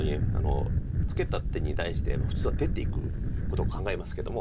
ツケた手に対して普通は出ていくことを考えますけども。